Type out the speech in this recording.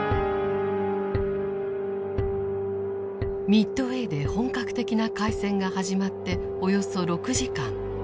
ミッドウェーで本格的な海戦が始まっておよそ６時間。